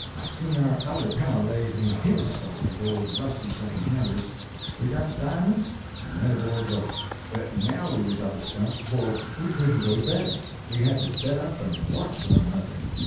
I seen our other pal lay in his stock of old rusty second handers. We got the di'monds and went aboard the boat. "But now we was up a stump, for we couldn't go to bed. We had to set up and watch one another.